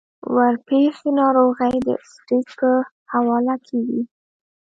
د ورپېښې ناروغۍ د سټېج پۀ حواله کيږي -